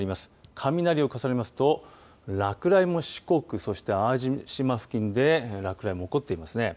雷を重ねますと落雷も四国、そして淡路島付近で落雷も起こっていますね。